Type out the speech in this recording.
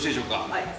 はい。